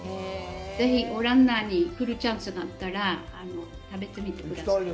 ぜひオランダに来るチャンスがあったら、食べてみてください。